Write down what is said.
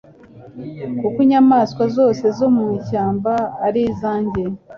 Kuko inyamaswa zose zo mu ishyamba ari izanjye